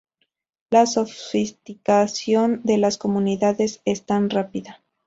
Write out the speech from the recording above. la sofisticación de las comunicaciones es tan rápida